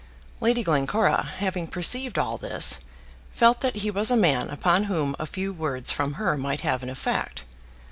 Lady Glencora, having perceived all this, felt that he was a man upon whom a few words from her might have an effect.